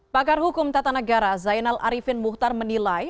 pakar hukum tata negara zainal arifin muhtar menilai